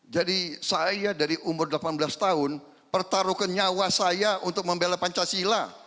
jadi saya dari umur delapan belas tahun pertaruhkan nyawa saya untuk membela pancasila